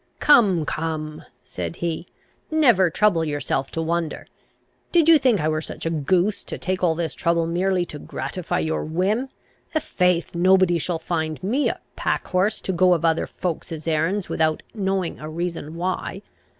"Come, come," said he, "never trouble yourself to wonder. Did you think I were such a goose, to take all this trouble merely to gratify your whim? I' faith, nobody shall find me a pack horse, to go of other folks' errands, without knowing a reason why.